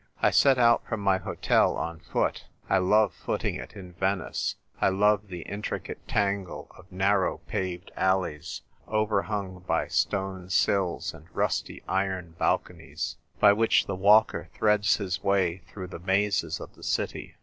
I set out from my hotel on foot ; I love footing it in Venice ; I love the intricate tangle of narrow paved alleys, overhung by stone sills and rusty iron balconies, by which the walker threads his way through the mazes of the city.